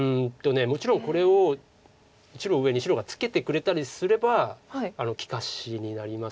もちろんこれを１路上に白がツケてくれたりすれば利かしになりますけど。